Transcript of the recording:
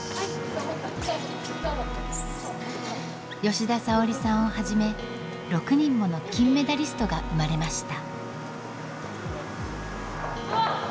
吉田沙保里さんをはじめ６人もの金メダリストが生まれました。